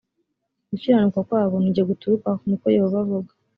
gukiranuka kwabo ni jye guturukaho ni ko yehova avuga